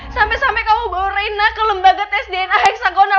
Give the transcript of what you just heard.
sampai sampai kamu bawa reina ke lembaga tes dna heksagonal